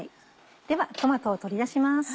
ではトマトを取り出します。